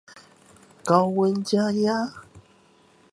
高溫加壓